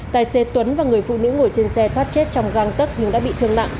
tài xế tuấn và người phụ nữ ngồi trên xe thoát chết trong găng tấc nhưng đã bị thương nặng